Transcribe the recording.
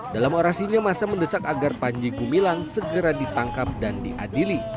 dalam orasinya masa mendesak agar panji gumilang segera ditangkap dan diadili